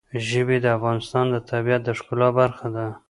ژبې د افغانستان د طبیعت د ښکلا برخه ده.